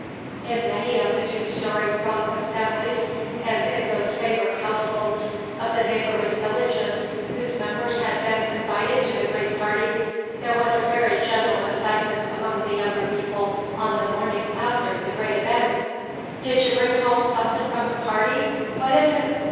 In many of the two story Rockland families, and in those favored households of the neighboring villages whose members had been invited to the great party, there was a very general excitement among the younger people on the morning after the great event. "Did y' bring home somethin' from the party? What is it?